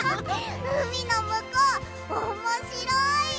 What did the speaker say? うみのむこうおもしろい！